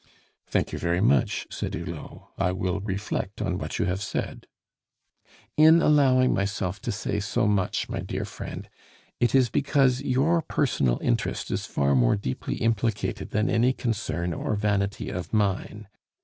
"Thank you very much," said Hulot. "I will reflect on what you have said." "In allowing myself to say so much, my dear friend, it is because your personal interest is far more deeply implicated than any concern or vanity of mine.